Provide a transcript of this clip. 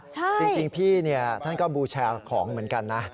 จริงพี่ท่านก็บูชาของเหมือนกันนะ